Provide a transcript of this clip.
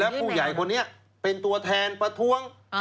ผู้ใหญ่คนนี้เป็นตัวแทนประท้วง